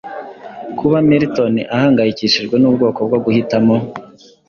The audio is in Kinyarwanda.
Kuba Milton ahangayikishijwe n'ubwoko bwo guhitamo,